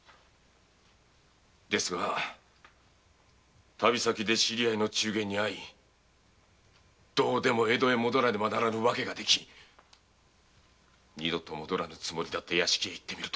ですが旅先で知り合いの中間に会いどうしても江戸へ帰らねばならぬ訳がてき二度と戻らぬつもりだった屋敷へ行ってみると。